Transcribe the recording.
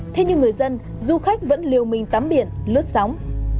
thế nhưng người dân du khách vẫn liều mình tắm biển lướt sóng